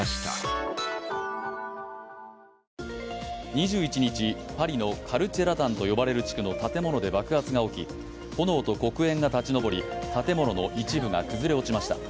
２１日、パリのカルチェ・ラタンと呼ばれる地区の建物で爆発が起き炎と黒煙が立ち上り建物の一部が崩れ落ちました。